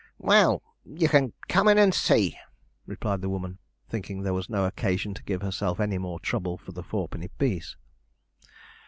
'Well, you can come in and see,' replied the woman, thinking there was no occasion to give herself any more trouble for the fourpenny piece.